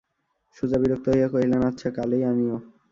সুজা বিরক্ত হইয়া কহিলেন, আচ্ছা, কালই আনিয়ো।